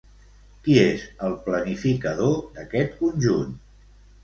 Qui és el planificador d'aquest conjunt?